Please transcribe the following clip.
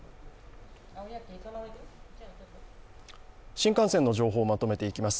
新幹線の情報をまとめていきます